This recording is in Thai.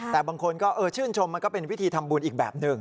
แต่บางคนก็ชื่นชมมันก็เป็นวิธีทำบุญอีกแบบหนึ่ง